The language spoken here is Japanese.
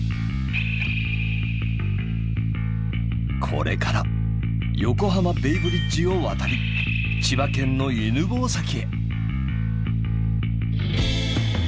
これから横浜ベイブリッジを渡り千葉県の犬吠埼へ。